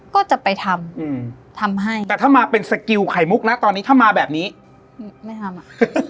ก็จะไปทำอืมทำให้แต่ถ้ามาเป็นสกิลไข่มุกนะตอนนี้ถ้ามาแบบนี้ไม่ทำอ่ะ